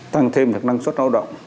tăng thêm được năng suất lao động